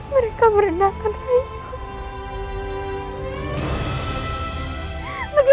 mereka merendahkan rai kukia